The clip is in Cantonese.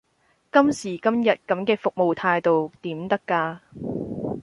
今時今日咁嘅服務態度點得㗎？